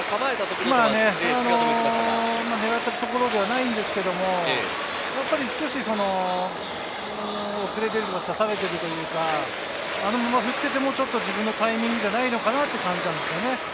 狙ったところではないんですけれども、やっぱり少し遅れてるというか、差されてるというか、あのまま打っていっても自分のタイミングじゃないのかなっていう感じなんですよね。